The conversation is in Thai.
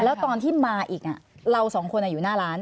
แล้วตอนที่มาอีกเราสองคนอยู่หน้าร้าน